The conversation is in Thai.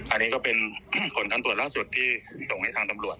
อันนี้ก็เป็นผลการตรวจล่าสุดที่ส่งให้ทางตำรวจ